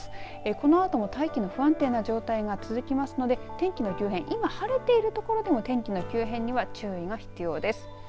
このあとも大気の不安定な状態が続きますので天気の急変、今晴れている所でも天気の急変には注意が必要です。